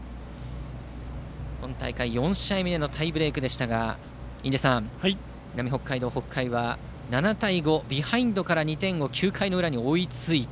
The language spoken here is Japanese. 今大会、４試合目のタイブレークでしたが南北海道・北海は、７対５ビハインドから２点を９回の裏に追いついて。